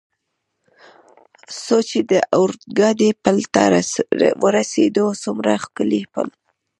څو چې د اورګاډي پل ته ورسېدو، څومره ښکلی پل.